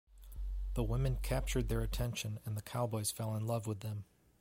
The women captured their attention, and the cowboys fell in love with them.